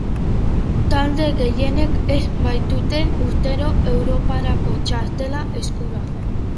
Talde gehienek ez baitute urtero europarako txartela eskuratzen.